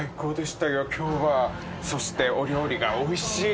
そしてお料理がおいしい。